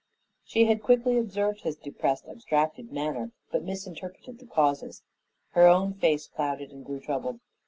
She had quickly observed his depressed, abstracted manner, but misinterpreted the causes. Her own face clouded and grew troubled.